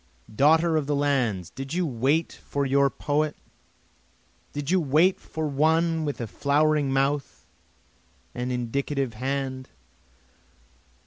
Daughter of the lands did you wait for your poet? Did you wait for one with a flowing mouth and indicative hand?